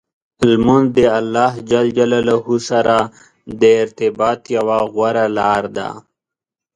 لمونځ د الله جل جلاله سره د ارتباط یوه غوره لار ده.